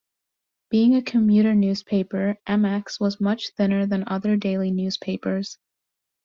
Being a commuter newspaper, "mX" was much thinner than other daily newspapers.